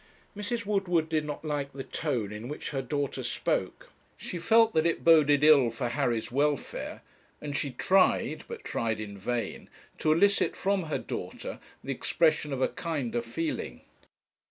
Mrs. Woodward did not like the tone in which her daughter spoke. She felt that it boded ill for Harry's welfare; and she tried, but tried in vain, to elicit from her daughter the expression of a kinder feeling.